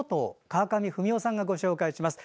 川上文代さんがご紹介します。